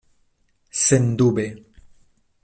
Sendube.